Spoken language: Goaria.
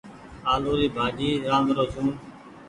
آلو ري ڀآڃي رآڌرو ڇون۔